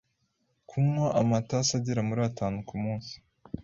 Kunywa amatasi agera muri atanu ku munsi